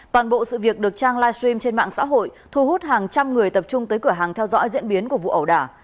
toàn bộ sự việc được trang livestream trên mạng xã hội thu hút hàng trăm người tập trung tới cửa hàng theo dõi diễn biến của vụ ẩu đả